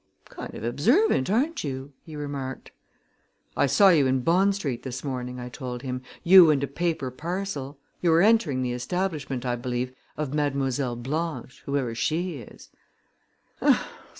"Kind of observant, aren't you?" he remarked. "I saw you in Bond Street this morning," I told him, "you and a paper parcel. You were entering the establishment, I believe, of Mademoiselle Blanche, whoever she is."